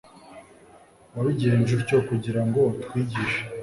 wabigenje utyo kugira ngo utwigishe